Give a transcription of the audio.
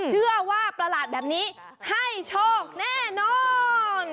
เชื่อว่าประหลาดแบบนี้ให้โชคแน่นอน